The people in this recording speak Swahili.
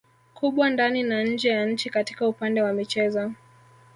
kubwa ndani na nje ya nchi katika upande wa michezo